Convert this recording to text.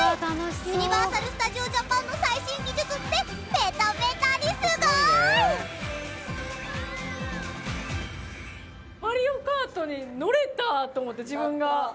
ユニバーサル・スタジオ・ジャパンの最新技術ってメタメタにすごーい！と思って自分が。